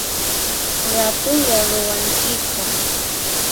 Ratullaya ruwankiqa